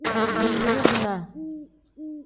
Zinbirii-dinaa.